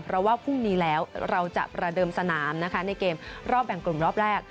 เพราะว่าพรุ่งนี้แล้วเราจะประเดิมสนามนะคะในเกมรอบแบ่งกลุ่มรอบแรก